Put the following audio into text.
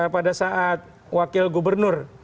pada saat wakil gubernur